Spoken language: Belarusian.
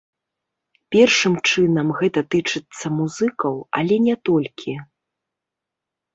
Першым чынам, гэта тычыцца музыкаў, але не толькі.